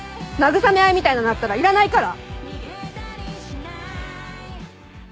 慰め合いみたいなのだったらいらないから！